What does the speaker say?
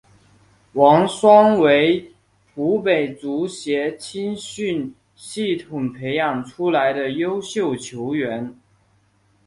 王霜为湖北足协青训系统培养出来的优秀球员。